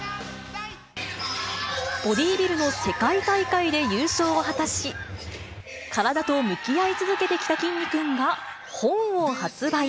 ボディービルの世界大会で優勝を果たし、体と向き合い続けてきたきんに君が本を発売。